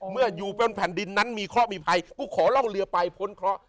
เมื่ออยู่เป็นแผ่นดินนั้นมีเคาะมีภัยกูขอล่องเรือไปพ้นเคาะ